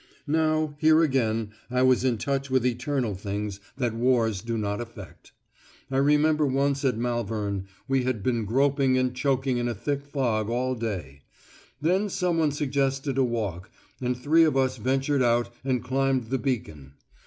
Now, here again I was in touch with eternal things that wars do not affect. I remember once at Malvern we had been groping and choking in a thick fog all day; then someone suggested a walk, and three of us ventured out and climbed the Beacon.